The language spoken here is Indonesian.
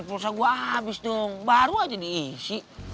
pulsa gue habis dong baru aja diisi